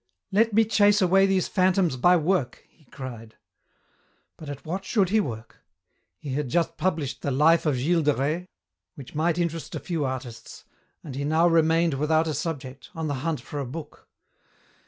*' Let me chase away these phantoms by work," he cried. But at what should he work ? He had just published the " Life of Gilles de Rais," which might interest a few artists, and he now remained without a subject, on the hunt for a book.